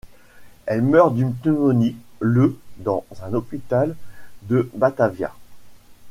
Elle meurt d'une pneumonie le dans un hôpital de Batavia.